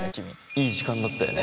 いい時間だったよね。